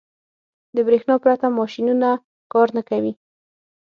• د برېښنا پرته ماشينونه کار نه کوي.